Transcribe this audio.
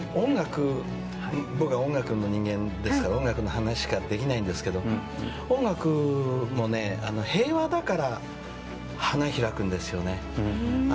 僕は音楽の人間ですから音楽の話しかできませんが音楽も平和だから花開くんですよね。